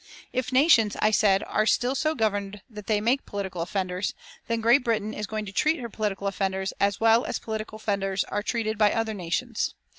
"If nations," I said, "are still so governed that they make political offenders, then Great Britain is going to treat her political offenders as well as political offenders are treated by other nations.